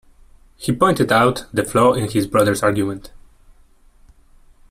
He pointed out the flaw in his brother’s argument.